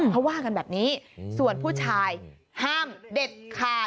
เขาว่ากันแบบนี้ส่วนผู้ชายห้ามเด็ดขาด